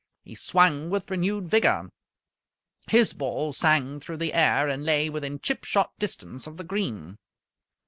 He swung with renewed vigour. His ball sang through the air, and lay within chip shot distance of the green.